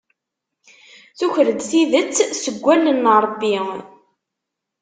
Tuker-d tidet seg wallen n Ṛebbi.